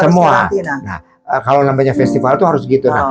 semua kalau namanya festival itu harus gitu